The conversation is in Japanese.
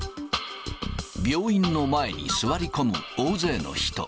病院の前に座り込む大勢の人。